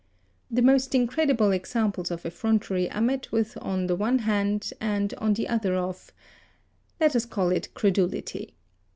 The most incredible examples of effrontery are met with on the one hand, and on the other of...let us call it credulity.